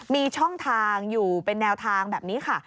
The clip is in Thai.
มีช่องทางอยู่เป็นแนวทางแบบนี้ค่ะ